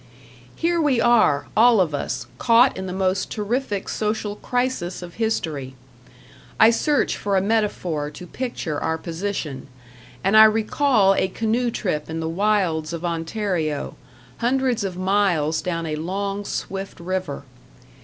Here we are, all of us, caught in the most terrific social crisis of history; I search for a metaphor to picture our position, and I recall a canoe trip in the wilds of Ontario, hundreds of miles down a long swift river.